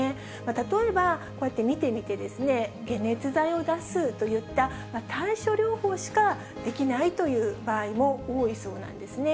例えば、こうやって見てみて、解熱剤を出すといった対症療法しかできないという場合も多いそうなんですね。